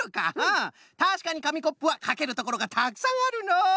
たしかにかみコップはかけるところがたくさんあるのう。